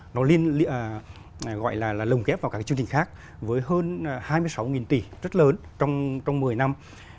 nó gọi là lồng kép vào các chương trình khác với hơn hai mươi sáu tỷ rất lớn trong một mươi năm